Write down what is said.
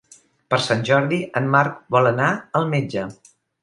Per Sant Jordi en Marc vol anar al metge.